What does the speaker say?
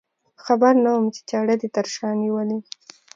خبر نه وم چې چاړه دې تر شا نیولې.